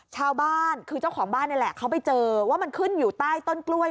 ชาวบ้านคือเจ้าของบ้านนี่แหละเขาไปเจอว่ามันขึ้นอยู่ใต้ต้นกล้วย